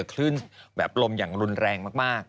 คลื่นแบบลมอย่างรุนแรงมาก